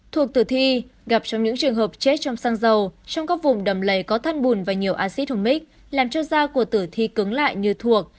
thuộc tử thi gặp trong những trường hợp chết trong xăng dầu trong các vùng đầm lầy có thắt bùn và nhiều axit hùng mít làm cho da của tử thi cứng lại như thuộc